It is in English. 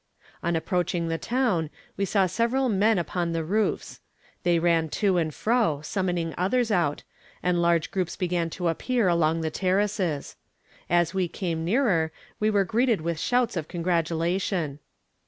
On approaching the town we saw several men upon the roofs. They ran to and fro, summoning others out, and large groups began to appear along the terraces. As we came nearer we were greeted with shouts of congratulation.